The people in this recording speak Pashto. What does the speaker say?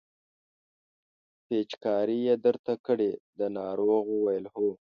پېچکاري یې درته کړې ده ناروغ وویل هو.